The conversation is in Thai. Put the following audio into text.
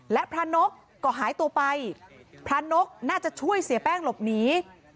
และพระนกก็หายตัวไปพระนกน่าจะช่วยเสียแป้งหลบหนี